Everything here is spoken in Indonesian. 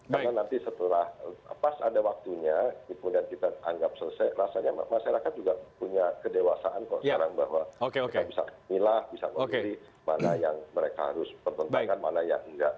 karena nanti setelah pas ada waktunya itu yang kita anggap selesai rasanya masyarakat juga punya kedewasaan kok sekarang bahwa bisa milah bisa memilih mana yang mereka harus pertentangan mana yang enggak